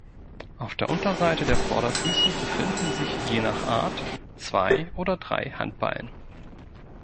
Auf der Unterseite der Vorderfüße befinden sich je nach Art zwei oder drei Handballen.